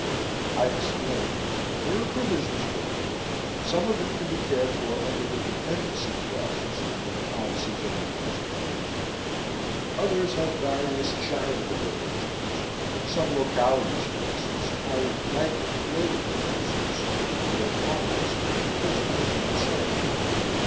I explained, "There are provisions for them. Some of them can be cared for under the dependency clauses in the policies of their next of kin. Others have various charitable arrangements some localities, for instance, carry blanket floater policies for their paupers and prisoners and so on.